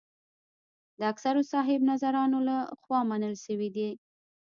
د اکثرو صاحب نظرانو له خوا منل شوې ده.